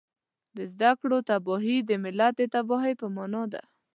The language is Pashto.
د زده کړو تباهي د ملت د تباهۍ په مانا ده